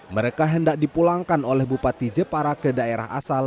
mereka hendak dipulangkan oleh bupati jepara ke daerah asal